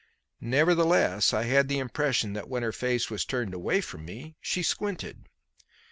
Nevertheless, I had the impression that when her face was turned away from me she squinted.